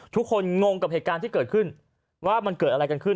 งงกับเหตุการณ์ที่เกิดขึ้นว่ามันเกิดอะไรกันขึ้น